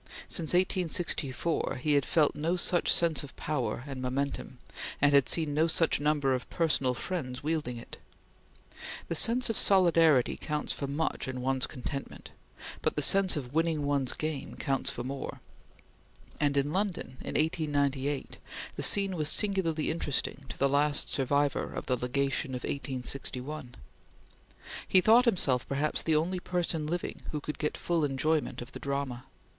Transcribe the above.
Since 1864 he had felt no such sense of power and momentum, and had seen no such number of personal friends wielding it. The sense of solidarity counts for much in one's contentment, but the sense of winning one's game counts for more; and in London, in 1898, the scene was singularly interesting to the last survivor of the Legation of 1861. He thought himself perhaps the only person living who could get full enjoyment of the drama.